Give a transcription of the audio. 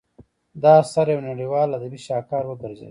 دا اثر یو نړیوال ادبي شاهکار وګرځید.